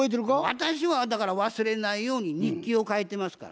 私はだから忘れないように日記を書いてますから。